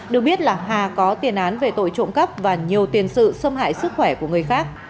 được biết là hà có tiền án về tội trộm cắp và nhiều tiền sự xâm hại sức khỏe của người khác